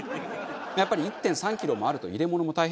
やっぱり１．３キロもあると入れ物も大変です。